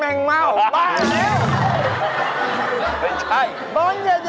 เรากำลังพรีเซนต์